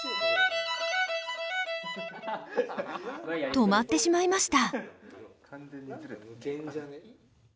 止まってしまいました。